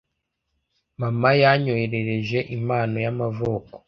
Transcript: Mama yanyoherereje impano y'amavuko.